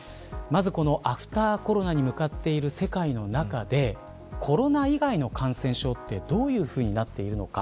まず、このアフターコロナに向かっている世界の中でコロナ以外の感染症ってどういうふうになっているのか